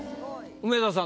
梅沢さん